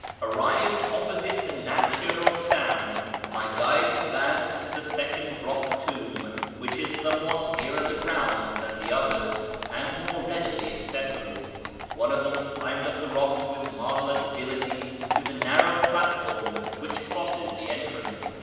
Arrived opposite the Naksh i Rustam, iny guides advanced to tlie second rock tomb, wliich is soniewliat nearer the ground tlian tlie others, and more readily accessil)le. 0)ie of them climbed up the rocks with marvellous agility to the narrow platform which crosses the entrance.